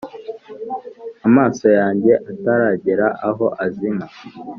Amaso yanjye ataragera aho azima